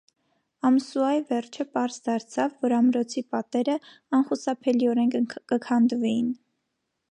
Ամսուայ վերջը պարզ դարձաւ, որ ամրոցի պատերը անխուսափելիօրէն կը քանդուէին։